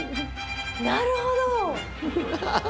なるほど！